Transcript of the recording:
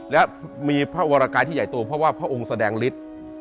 และมีพระวรกายที่ใหญ่โตเพราะว่าพระองค์แสดงฤทธิ์